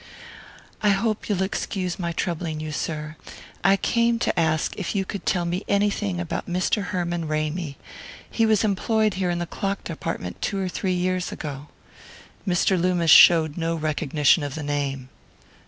"I hope you'll excuse my troubling you, sir. I came to ask if you could tell me anything about Mr. Herman Ramy. He was employed here in the clock department two or three years ago." Mr. Loomis showed no recognition of the name.